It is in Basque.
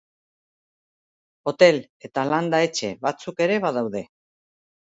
Hotel eta landa-etxe batzuk ere badaude.